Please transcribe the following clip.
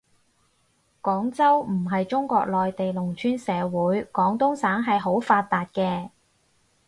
廣州唔係中國內地農村社會，廣東省係好發達嘅